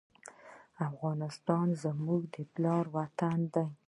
افغانستان زما د پلار وطن دی